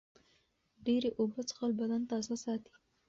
ډېرې اوبه څښل بدن تازه ساتي.